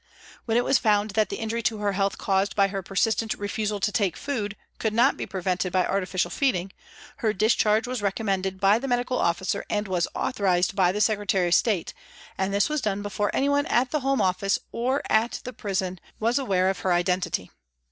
When it was found that the injury to her health caused by her per sistent refusal to take food could not be prevented by artificial feeding, her discharge was recom mended by the medical officer and was authorised by the Secretary of State, and this was done before anyone at the Home Office or at the prison was aware of her identity.